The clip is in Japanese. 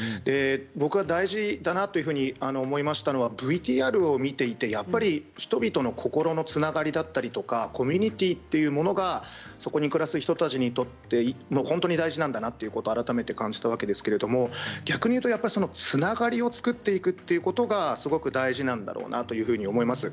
僕は大事だなと思いましたのはＶＴＲを見ていて、やっぱり人々の心のつながりだったりとかコミュニティーというものがそこに暮らす人々にとって本当に大事なんだということを改めて感じたわけですけれども逆に言うとそのつながりを作っていくということがすごく大事なんだろうなと思います。